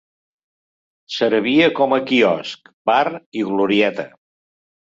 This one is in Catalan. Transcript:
Servia com a quiosc, bar i glorieta.